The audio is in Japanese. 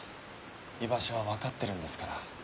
居場所は分かってるんですから。